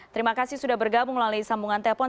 terima kasih sudah bergabung melalui sambungan telpon